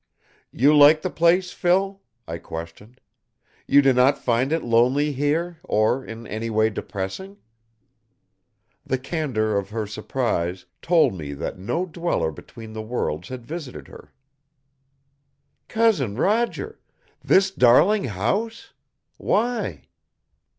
"You like the place, Phil?" I questioned. "You do not find it lonely here, or in any way depressing?" The candor of her surprise told me that no dweller between the worlds had visited her. "Cousin Roger? This darling house? Why?"